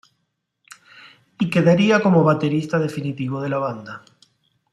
Y quedaría como baterista definitivo de la banda.